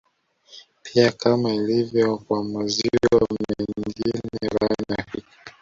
Pia kama ilivyo kwa maziwa mengine barani Afrika